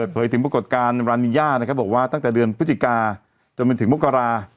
เผยถึงปรากฏการณ์รานีย่านะครับบอกว่าตั้งแต่เดือนพฤศจิกาจนไปถึงมกรา